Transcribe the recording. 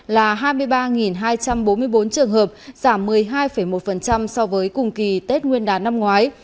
là hai mươi ba hai trăm bốn mươi bốn trường hợp giảm một mươi hai một so với cùng kỳ tết nguyên đán năm ngoái